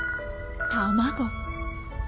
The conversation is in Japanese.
卵。